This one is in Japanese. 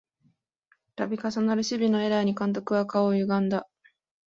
たび重なる守備のエラーに監督の顔はゆがんだ